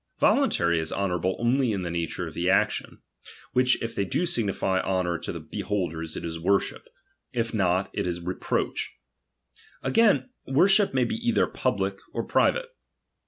Voluntary is honourable only in the nature of the actions ; which if they do signify honour to the beholders, it is worship, if not, it is reproach. Again, worship may be either public or private.